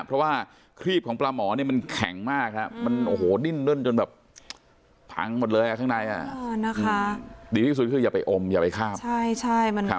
เพราะว่าครีบของปลาหมอเนี่ยมันแข็งมากมันดิ้นเลิ่นแบบผังหมดเลยคือดีที่สุดคือยาไปอมอย่าไปข้าบ